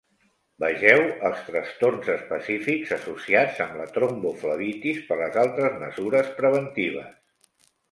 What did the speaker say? Vegeu els trastorns específics associats amb la tromboflebitis per les altres mesures preventives.